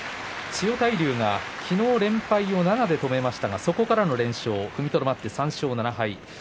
千代大龍は昨日連敗を７で止めましたがそこから連勝踏みとどまって３勝７敗。